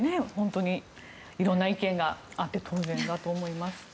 本当に色々な意見があって当然だと思います。